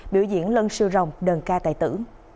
biểu diễn lân sư rồng đơn ca tài tử